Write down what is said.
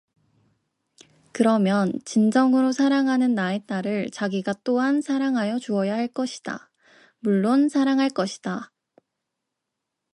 그러면 진정으로 사랑하는 나의 딸을 자기가 또한 사랑하여 주어야 할것이다 물론 사랑할 것이다.